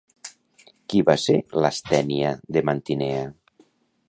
Qui va ser Lastènia de Mantinea?